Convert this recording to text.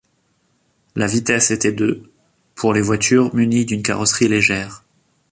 La vitesse était de pour les voitures munies d'une carrosserie légère.